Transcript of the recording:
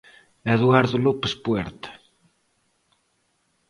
Eduardo López Puerta.